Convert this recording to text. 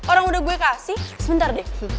orang udah gue kasih sebentar deh